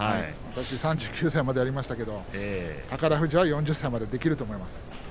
私はそこまでやりましたけれども宝富士は４０歳までできると思います。